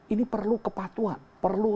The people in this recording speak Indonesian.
ini perlu kepatuhan perlu